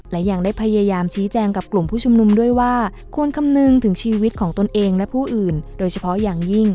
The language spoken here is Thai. และยังได้พยายามชี้แจงกับกลุ่มผู้ชุมนุมด้วยว่าควรคำนึงถึงชีวิตของตนเองและผู้อื่นโดยเฉพาะอย่างยิ่ง